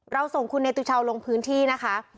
ส่งคุณเนติชาวลงพื้นที่นะคะ